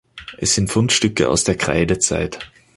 Es sind Fundstücke aus der Kreidezeit.